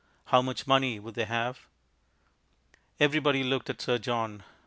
How much money would they have? Everybody looked at Sir John.